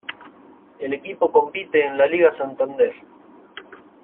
El equipo compite en LaLiga Santander.